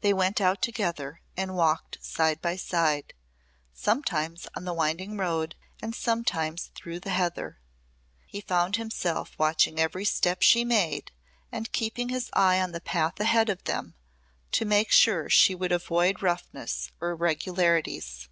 They went out together and walked side by side, sometimes on the winding road and sometimes through the heather. He found himself watching every step she made and keeping his eye on the path ahead of them to make sure she would avoid roughness or irregularities.